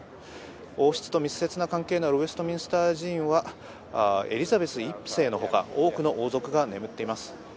王室と密接な関係があるウェストミンスター寺院は、エリザベス１世のほか多くの王族が眠っています。